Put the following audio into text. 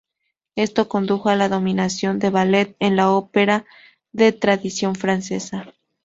Esto condujo a la dominación del ballet en la ópera de tradición francesa.